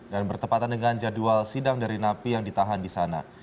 dan bertepatan dengan jadwal sidang dari napi yang ditahan di sana